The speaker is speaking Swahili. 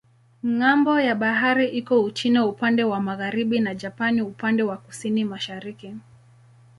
Ng'ambo ya bahari iko Uchina upande wa magharibi na Japani upande wa kusini-mashariki.